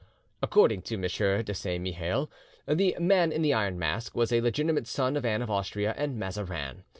According to M. de Saint Mihiel, the 'Man in the Iron Mask was a legitimate son of Anne of Austria and Mazarin'.